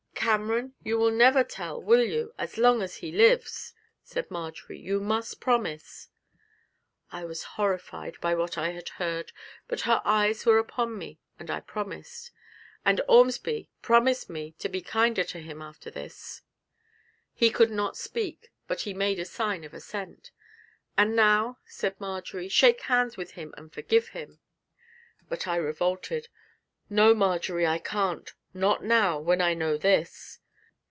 'Cameron, you will never tell, will you as long as he lives?' said Marjory. 'You must promise.' I was horrified by what I had heard; but her eyes were upon me, and I promised. 'And you, Ormsby, promise me to be kinder to him after this.' He could not speak; but he made a sign of assent. 'And now,' said Marjory, 'shake hands with him and forgive him.' But I revolted: 'No, Marjory, I can't; not now when I know this!'